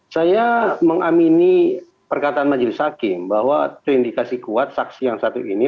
saya mengamini perkataan majelis hakim bahwa terindikasi kuat saksi yang satu ini